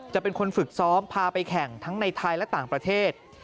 เป็นคนฝึกซ้อมพาไปแข่งทั้งในไทยและต่างประเทศ